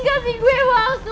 kasih gue waktu please ya